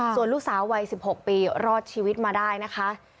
ส่วนลูกสาววัย๑๖ปีรอดชีวิตมาได้นะคะ